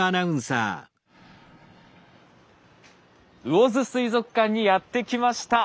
魚津水族館にやって来ました。